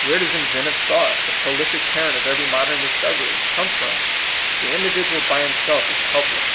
Where does inventive thought, the prolific parent of every modern discovery, come from? The individual by himself is helpless.